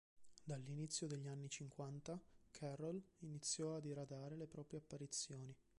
Dall'inizio degli anni cinquanta Carroll iniziò a diradare le proprie apparizioni.